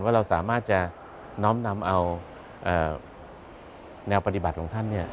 เราสามารถจะน้อมนำเอาแนวปฏิบัติของท่าน